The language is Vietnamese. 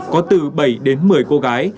có từ bảy đến một mươi cô gái